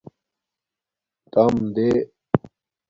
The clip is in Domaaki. تَام دے